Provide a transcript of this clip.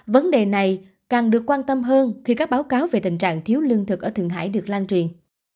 vấn đề này càng được quan tâm hơn khi các báo cáo về tình trạng thiếu lương thực ở thượng hải được lan truyền